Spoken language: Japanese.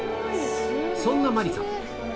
そんなマリさん